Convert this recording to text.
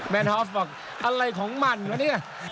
แมนฮอฟบอกอะไรของมันว่ะนี่